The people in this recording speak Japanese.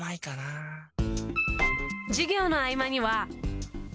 授業の合間には。